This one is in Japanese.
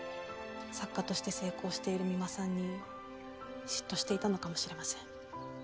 作家として成功している三馬さんに嫉妬していたのかもしれません。